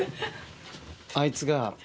あいつが。